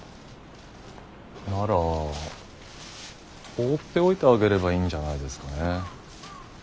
なら放っておいてあげればいいんじゃないですかね。